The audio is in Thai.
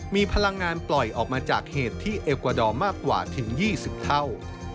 มีพลังงานปล่อยออกมาจากเหตุที่เอลกวาดอร์มากกว่าถึง๒๐เท่า